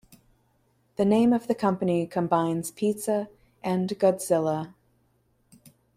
The name of the company combines "pizza" and "Godzilla".